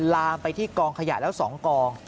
ลามไปที่กองขยะแล้ว๒กอง